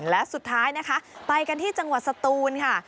และสุดท้ายนะคะไปกันที่จังหวัดสตูนค่ะ